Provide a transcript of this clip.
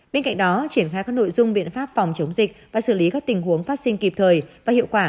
bên cạnh đó triển khai các nội dung biện pháp phòng chống dịch và xử lý các tình huống phát sinh kịp thời và hiệu quả